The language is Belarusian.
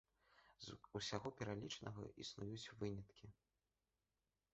З усяго пералічанага існуюць выняткі.